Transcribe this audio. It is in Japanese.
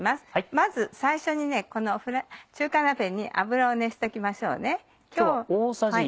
まず最初にこの中華鍋に油を熱しておきましょうね。